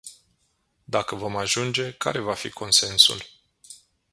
Dacă vom ajunge, care va fi consensul?